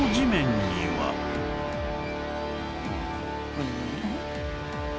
何？